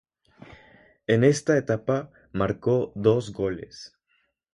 En esta etapa marcó dos goles.